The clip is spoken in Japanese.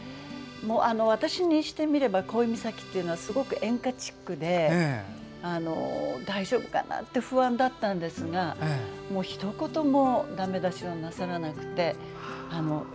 私にしてみれば「恋岬」というのはすごく演歌チックで大丈夫かなって不安だったんですが、ひと言もだめ出しはなさらなくて。